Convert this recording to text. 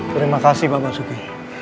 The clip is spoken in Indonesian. terima kasih pak masuki